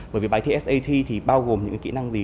bởi vì bài thi sat thì bao gồm những kỹ năng gì